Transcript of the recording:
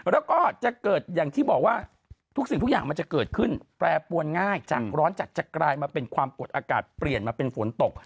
แล้วก็จะเกิดอย่างที่บอกว่าทุกสิ่งทุกอย่างมันจะเกิดขึ้นแปรปวนง่ายจากร้อนจัดจะกลายมาเป็นความกดอากาศเปลี่ยนมาเป็นฝนตก